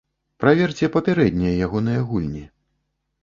Праверце папярэднія ягоныя гульні.